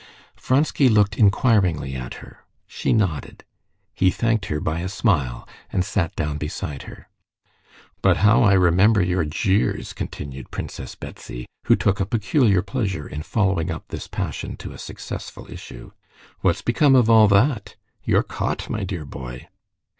Vronsky looked inquiringly at her. She nodded. He thanked her by a smile, and sat down beside her. "But how I remember your jeers!" continued Princess Betsy, who took a peculiar pleasure in following up this passion to a successful issue. "What's become of all that? You're caught, my dear boy."